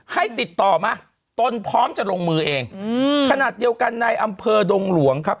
ให้ติดต่อมาตนพร้อมจะลงมือเองอืมขนาดเดียวกันในอำเภอดงหลวงครับ